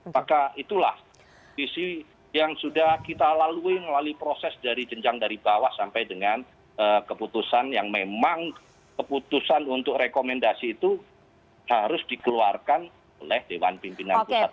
maka itulah visi yang sudah kita lalui melalui proses dari jenjang dari bawah sampai dengan keputusan yang memang keputusan untuk rekomendasi itu harus dikeluarkan oleh dewan pimpinan pusat